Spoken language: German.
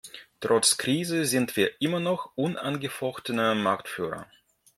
Trotz Krise sind wir immer noch unangefochtener Marktführer.